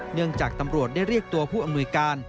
เนื่องจากตำรวจได้เรียกตัวผู้อำนวยการ